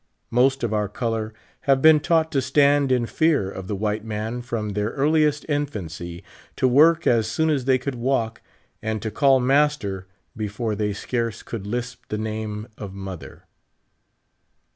Most of our color have been taught to stand in fear of the white man from their earliest infancy, to work as soon as they could walk, and to call "master" before they scarce could lisp the name of mother.